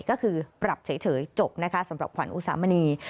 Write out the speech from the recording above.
ก็คือปรับเฉยจบนะคะสำหรับขวัญอุสามณี